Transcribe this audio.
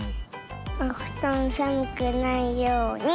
おふとんさむくないように！